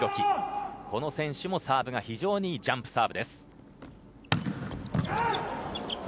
この選手もサーブが非常にいいジャンプサーブです。